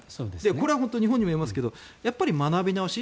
これは本当に日本にも言えますけどやっぱり学び直し。